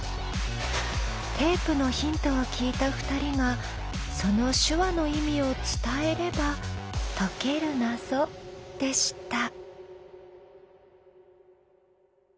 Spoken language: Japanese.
テープのヒントを聞いた２人がその手話の意味を伝えれば解ける謎でした。